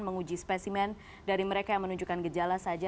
menguji spesimen dari mereka yang menunjukkan gejala saja